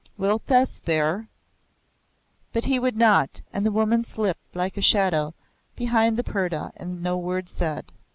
Wilt thou spare?" But he would not, and the woman slipped like a shadow behind the purdah and no word said.